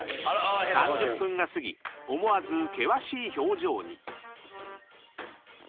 ［３０分が過ぎ思わず険しい表情に］